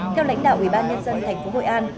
theo lãnh đạo ubnd tp hội an